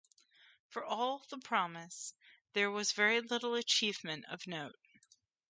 For all the promise, there was very little achievement of note.